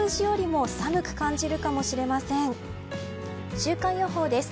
週間予報です。